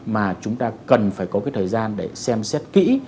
mà chúng ta cần phải có cái thời gian để xem xét kỹ